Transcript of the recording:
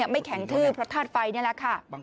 ไม่แข็งทืบเพราะธาตุไฟนี่แหละค่ะ